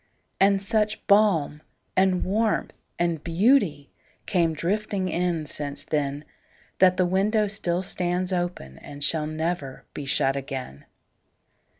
And such balm and warmth and beautyCame drifting in since then, That the window still stands openAnd shall never be shut again.